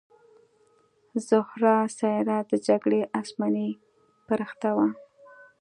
زهره سیاره د جګړې اسماني پرښته وه